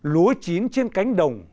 lúa chín trên cánh đồng